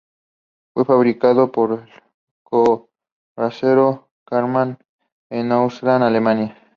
Fue fabricado por el carrocero Karmann en Osnabrück, Alemania.